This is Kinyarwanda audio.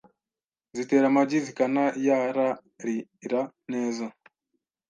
zitera amagi zikanayararira neza